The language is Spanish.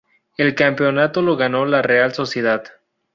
El campeonato lo ganó la Real Sociedad.